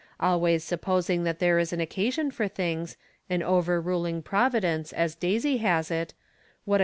Always sup posing that there is an occasion for things, an overruling Providence as Daisy has it, what a